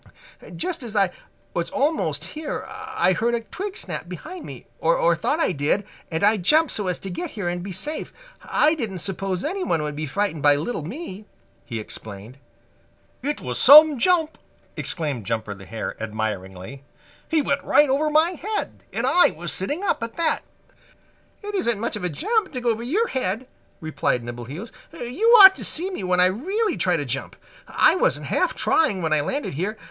"Just as I was almost here I heard a twig snap behind me, or thought I did, and I jumped so as to get here and be safe. I didn't suppose anyone would be frightened by little me," he explained. "It was some jump!" exclaimed Jumper the Hare admiringly. "He went right over my head, and I was sitting up at that!" "It isn't much of a jump to go over your head," replied Nimbleheels. "You ought to see me when I really try to jump. I wasn't half trying when I landed here.